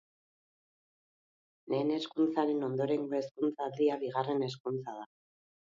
Lehen hezkuntzaren ondorengo hezkuntza-aldia bigarren hezkuntza da.